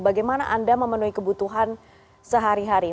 bagaimana anda memenuhi kebutuhan sehari hari